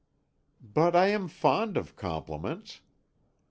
"But I am fond of compliments."